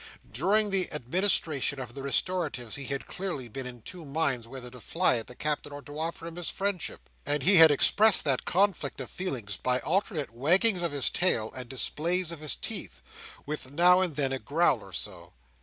During the administration of the restoratives he had clearly been in two minds whether to fly at the Captain or to offer him his friendship; and he had expressed that conflict of feeling by alternate waggings of his tail, and displays of his teeth, with now and then a growl or so.